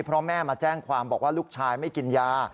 เพราะแม่มาแจ้งความบอกว่าลูกชายไม่กินยา